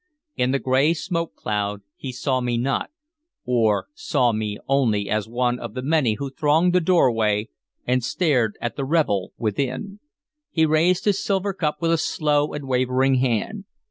In the gray smoke cloud he saw me not, or saw me only as one of the many who thronged the doorway and stared at the revel within. He raised his silver cup with a slow and wavering hand.